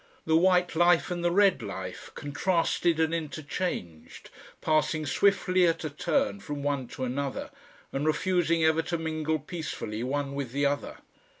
The white life and the red life, contrasted and interchanged, passing swiftly at a turn from one to another, and refusing ever to mingle peacefully one with the other.